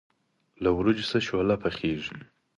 له وریجو څخه شوله پخیږي.